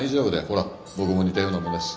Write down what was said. ほら僕も似たようなもんだし。